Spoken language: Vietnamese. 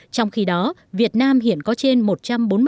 trong khi đó việt nam hiện có trên một trăm linh triệu đô la mỹ